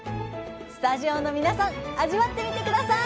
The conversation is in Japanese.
スタジオの皆さん味わってみて下さい！